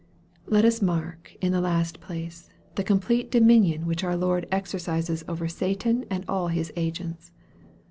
Let us mark, in the last place, the complete dominion which our Lord exercises over /Satan and all his agents.